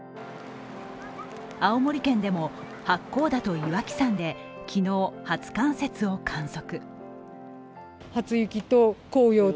青森県でも八甲田と岩木山で昨日、初冠雪を観測。